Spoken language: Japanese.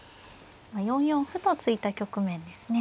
今４四歩と突いた局面ですね。